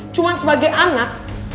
cuman sebagai anak